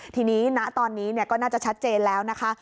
ทีนี้ณตอนนี้ก็น่าจะชัดเจนแล้วนะคะ